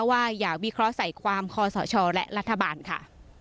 ว่าอย่าวิเคราะห์ใส่ความคอสชและรัฐบาลค่ะ